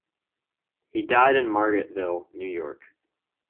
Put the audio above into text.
He died in Margaretville, New York.